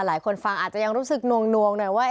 หลายคนฟังอาจจะยังรู้สึกนวงหน่อยว่า